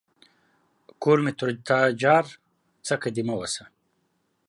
کور مې تر تا جار ، څکه دي مه وه.